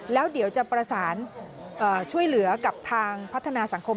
แล้วเดี๋ยวจะประสานช่วยเหลือกับทางพัฒนาสังคม